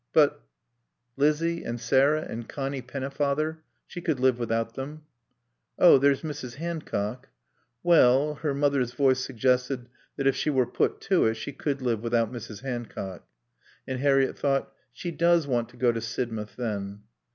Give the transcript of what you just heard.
But " Lizzie and Sarah and Connie Pennefather. She could live without them. "Oh, there's Mrs. Hancock." "Well " Her mother's voice suggested that if she were put to it she could live without Mrs. Hancock. And Harriett thought: She does want to go to Sidmouth then.